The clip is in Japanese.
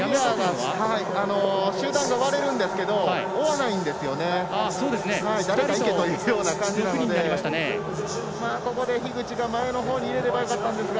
集団が割れるんですけど追わないんですよね。